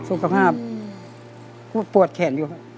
สุขภาพปวดแขนอยู่